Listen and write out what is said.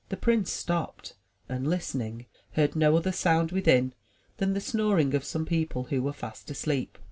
The prince stopped and, listening, heard no other sound within than the snoring of some people who were fast asleep.